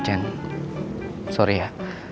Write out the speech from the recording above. jen sorry ya